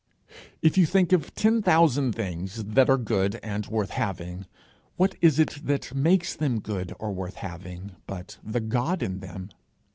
If you think of ten thousand things that are good and worth having, what is it that makes them good or worth having but the God in them?